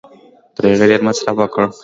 تر هغې ډېر مصرف کړو